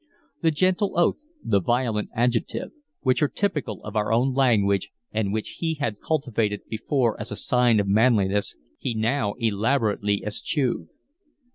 The gentle oath, the violent adjective, which are typical of our language and which he had cultivated before as a sign of manliness, he now elaborately eschewed.